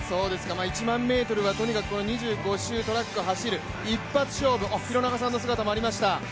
１００００ｍは２５周トラックを走る一発勝負、廣中さんの姿もありました。